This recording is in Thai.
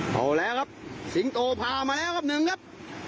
เอาแล้วครับสิงโตพามาแล้วครับหนึ่งครับ